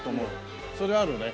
それあるね。